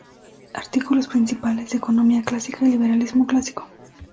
Artículos principales: Economía clásica y liberalismo clásico.